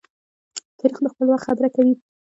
تاریخ د خپل وخت خبره کوي.